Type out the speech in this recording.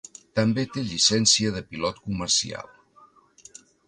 També té llicència de pilot comercial.